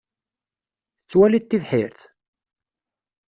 Tettwaliḍ tibḥirt?